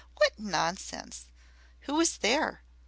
What nonsense! Who was there?"